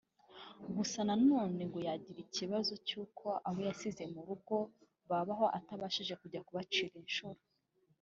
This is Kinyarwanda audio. Gusa na none ngo yagira ikibazo cy’uko abo yasize mu rugo babaho atabashije kujya kubacira inshuro